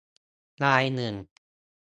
รายหนึ่ง